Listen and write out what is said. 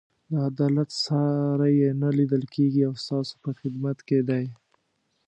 د عدالت ساری یې نه لیدل کېږي او ستاسو په خدمت کې دی.